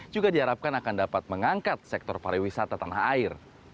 juga diharapkan akan dapat mengangkat sektor pariwisata tanah air